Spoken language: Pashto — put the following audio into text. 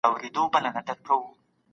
اقتصادي پلانونه باید په غور سره جوړ سي.